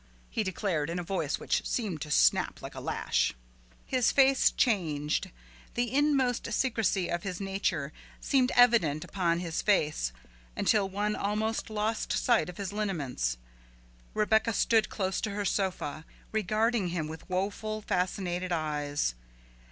he declared in a voice which seemed to snap like a lash. His face changed, the inmost secrecy of his nature seemed evident upon his face, until one almost lost sight of his lineaments. Rebecca stood close to her sofa, regarding him with woeful, fascinated eyes.